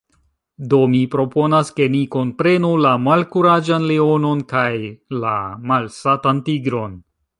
Do mi proponas ke ni kunprenu la Malkuraĝan Leonon kaj la Malsatan Tigron.